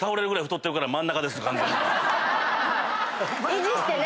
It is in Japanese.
維持してね。